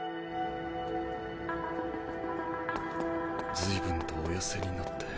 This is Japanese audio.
随分とお痩せになって。